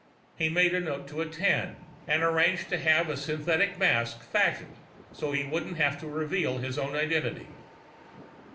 He made a note to attend, and arranged to have a synthetic mask fashioned so he wouldn't have to reveal his own identity.